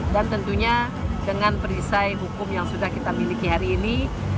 dan tentunya dengan perisai hukum yang sudah kita miliki hari ini